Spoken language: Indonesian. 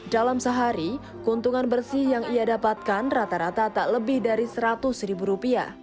dalam sehari keuntungan bersih yang ia dapatkan rata rata tak lebih dari rp seratus